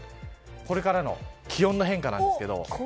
これからの気温の変化なんですけども。